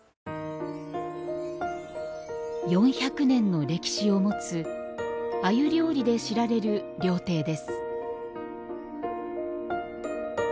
４００年の歴史を持つ鮎料理で知られる料亭です